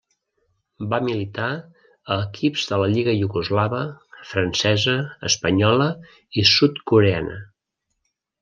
Va militar a equips de la lliga iugoslava, francesa, espanyola i sud-coreana.